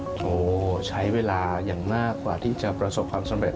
โอ้โหใช้เวลาอย่างมากกว่าที่จะประสบความสำเร็จ